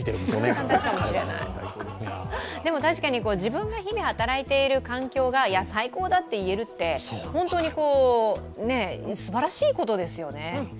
でも、確かに自分が日々働いている会社が最高だっていえるって本当にすばらしいことですよね。